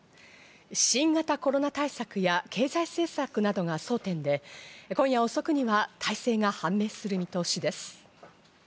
新型コロナ対策や経済政策などが争点で、今夜遅くには大勢が判明する見通しです。